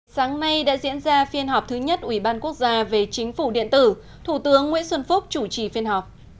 sáng nay đã diễn ra phiên họp thứ nhất ủy ban quốc gia về chính phủ điện tử thủ tướng nguyễn xuân phúc chủ trì phiên họp